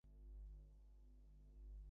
তুমি জাহান্নামে যাও!